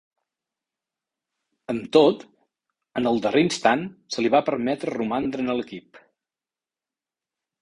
Amb tot, en el darrer instant, se li va permetre romandre en l'equip.